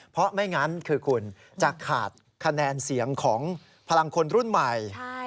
เพราะไม่งั้นคือคุณจะขาดคะแนนเสียงของพลังคนรุ่นใหม่